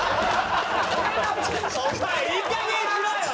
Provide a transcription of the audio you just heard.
お前いいかげんにしろよ！